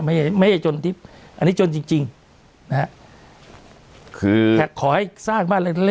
ไม่ไม่ใช่จนทิศอันนี้จนจริงจริงนะฮะคือแขกขอให้สร้างบ้าน